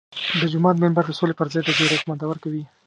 د جومات منبر د سولې پر ځای د جګړې قومانده ورکوي.